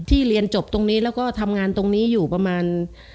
เรียนจบตรงนี้แล้วก็ทำงานตรงนี้อยู่ประมาณ